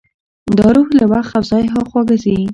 دا روح له وخت او ځای هاخوا ځي.